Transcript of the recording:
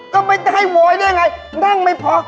ก็ไม่ได้โวยแน่ไงนั่งไม่พอ